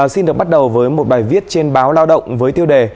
xin được bắt đầu với một bài viết trên báo lao động với tiêu đề